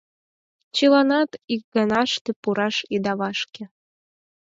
Чыланат икганаште пураш ида вашке.